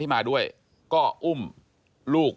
ดีนะที่อุ้มน้อย